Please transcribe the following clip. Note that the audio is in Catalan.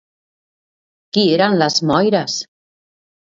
Qui eren les Moires?